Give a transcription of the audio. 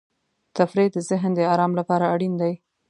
تفریح د ذهن د آرام لپاره اړین دی.